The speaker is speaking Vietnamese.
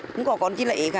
không có còn chi lệ cả